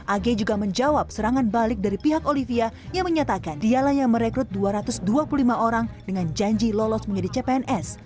ag juga menjawab serangan balik dari pihak olivia yang menyatakan dialah yang merekrut dua ratus dua puluh lima orang dengan janji lolos menjadi cpns